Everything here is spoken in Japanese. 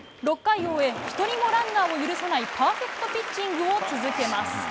６回を終え、１人もランナーを許さないパーフェクトピッチングを続けます。